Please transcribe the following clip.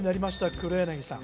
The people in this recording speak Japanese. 黒柳さん